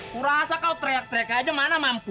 aku rasa kau teriak teriak aja mana mampu